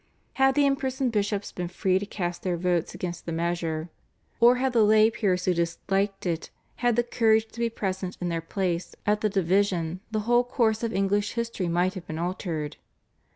Had the imprisoned bishops been free to cast their votes against the measure, or had the lay peers who disliked it had the courage to be present in their places at the division the whole course of English history might have been altered.